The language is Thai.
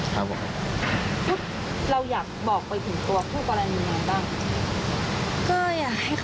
เพราะว่าพวกฐานะทางบ้านหนูก็ไม่ค่อยมีเงินด้วย